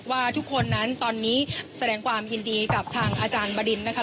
ว่าทุกคนนั้นตอนนี้แสดงความยินดีกับทางอาจารย์บดินนะคะ